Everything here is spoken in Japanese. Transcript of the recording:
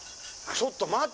ちょっと待って！